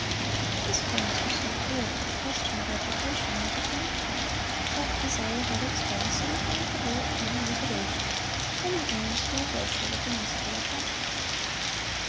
His parents were so poor that the question of education never came to them; but desire has its way, so we find the boy at ten years of age running errands for a grocer with a musical attachment.